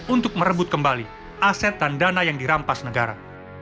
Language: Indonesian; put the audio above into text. untuk merebut kembali aset dan dana yang dirampas negara